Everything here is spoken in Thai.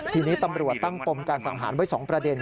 ทีนี้ตำรวจตั้งปมการสังหารไว้๒ประเด็น